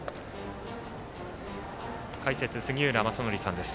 解説、杉浦正則さんです。